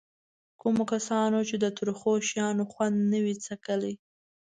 کومو کسانو چې د ترخو شیانو خوند نه وي څکلی.